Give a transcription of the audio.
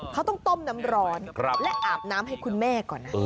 เขาต้องต้มน้ำร้อนและอาบน้ำให้คุณแม่ก่อนนะ